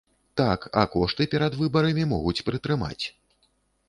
Так, а кошты перад выбарамі могуць прытрымаць.